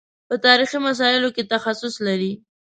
په تاریخي مسایلو کې تخصص لري.